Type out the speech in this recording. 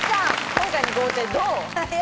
今回の豪邸どう？